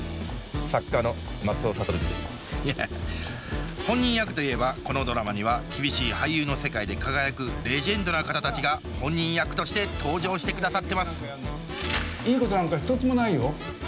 いや本人役といえばこのドラマには厳しい俳優の世界で輝くレジェンドな方たちが本人役として登場してくださってますいいことなんか一つもないよ。